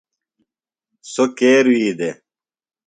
سوۡ کے رُوئی دےۡ؟